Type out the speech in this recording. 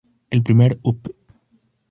El primer up!